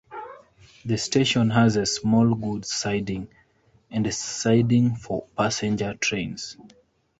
The station had a small goods siding, and a siding for passenger trains.